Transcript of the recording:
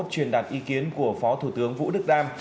truyền đạt ý kiến của phó thủ tướng vũ đức đam